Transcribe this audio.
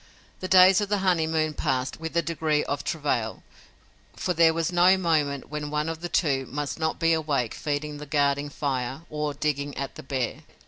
The days of the honeymoon passed with a degree of travail, for there was no moment when one of the two must not be awake feeding the guarding fire or digging at the bear.